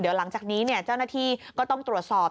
เดี๋ยวหลังจากนี้เจ้าหน้าที่ก็ต้องตรวจสอบ